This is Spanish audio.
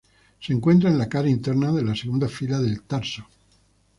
Se encuentra en la cara interna de la segunda fila del tarso.